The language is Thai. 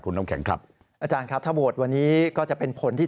คุณน้ำแข็งครับอาจารย์ครับถ้าโหวตวันนี้ก็จะเป็นผลที่